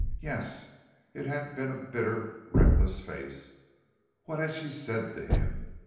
Yes, it had been a bitter, reckless face. What had she said to him?